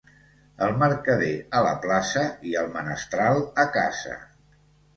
El mercader a la plaça i el menestral a casa.